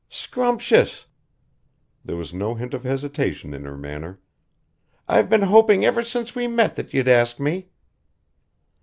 "Scrumptious!" There was no hint of hesitation in her manner. "I've been hoping ever since we met that you'd ask me."